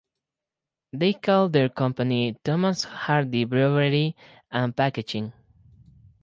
They called their company Thomas Hardy Brewery and Packaging.